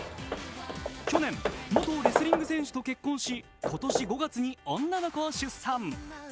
去年、元レスリング選手と結婚し今年５月に女の子を出産。